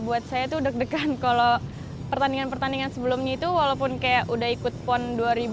buat saya itu deg degan kalau pertandingan pertandingan sebelumnya itu walaupun kayak udah ikut pon dua ribu delapan dua ribu dua belas